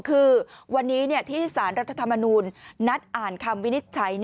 คือวันนี้ที่สารรัฐธรรมนูญนัดอ่านคำวินิจฉัย